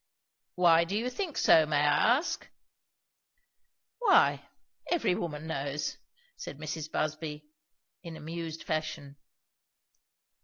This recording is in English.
"Why do you think so, may I ask?" "Why? Every woman knows," said Mrs. Busby in amused fashion.